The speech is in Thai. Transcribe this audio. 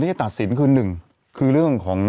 จะตัดสินคือหนึ่งคือเรื่องของ